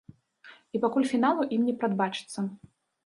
І пакуль фіналу ім не прадбачыцца.